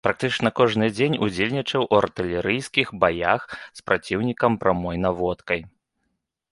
Практычна кожны дзень удзельнічаў у артылерыйскіх баях з праціўнікам прамой наводкай.